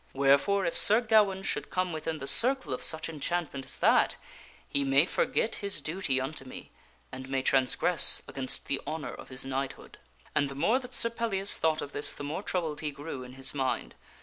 Wherefore if Sir Gawaine should come within the circle of such enchantment as that, he may forget his duty unto me and may transgress against the honor of his knighthood." And the more that Sir Pellias thought of this the more troubled he grew in his mind.